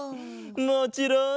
もちろん！